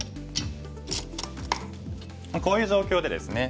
こういう状況でですね